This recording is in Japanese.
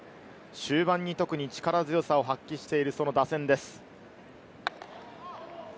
終盤に特に力強さを発揮している、その打線です。